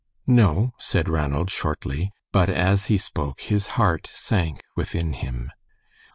"No," said Ranald, shortly; but as he spoke his heart sank within him.